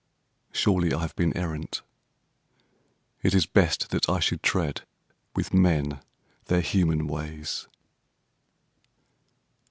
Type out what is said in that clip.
"Surely I have been errant: it is best That I should tread, with men their human ways."